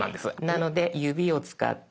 なので指を使って。